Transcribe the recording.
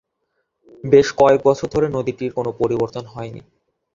বেশ কয়েক বছর ধরে নদীটির কোনো পরিবর্তন হয়নি।